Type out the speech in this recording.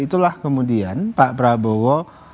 itulah kemudian pak prabowo